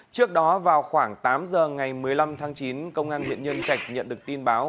trước đó vào khoảng tám giờ ngày một mươi năm tháng chín công an huyện nhân trạch nhận được tin báo